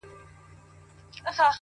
o نن مي بيا ټوله شپه؛